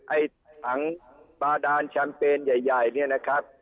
ไอ้ถังบาดานแชมเปญใหญ่เนี่ยนะครับ